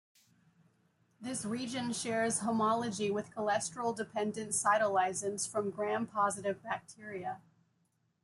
This region shares homology with cholesterol-dependent cytolysins from Gram-positive bacteria.